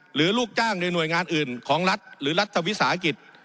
ลูกจ้างในหน่วยงานอื่นของรัฐหรือรัฐวิสาหกิจ